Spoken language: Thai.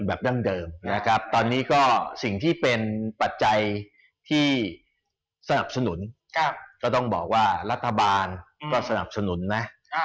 ดั้งเดิมนะครับตอนนี้ก็สิ่งที่เป็นปัจจัยที่สนับสนุนก็ต้องบอกว่ารัฐบาลก็สนับสนุนนะ